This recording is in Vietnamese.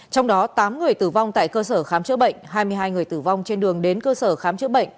trong đó tám người tử vong tại cơ sở khám chữa bệnh hai mươi hai người tử vong trên đường đến cơ sở khám chữa bệnh